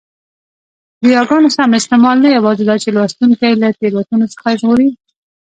د یاګانو سم استعمال نه یوازي داچي لوستوونکی له تېروتنو څخه ژغوري؛